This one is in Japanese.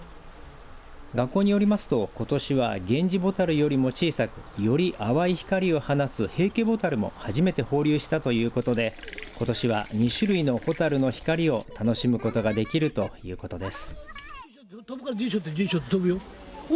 学校によりますとことしはゲンジボタルよりも小さくより淡い光を放つヘイケボタルも初めて放流したということでことしは２種類の蛍の光を楽しむことができるということです。